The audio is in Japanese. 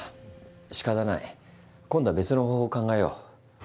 しかたない今度は別の方法考えよう。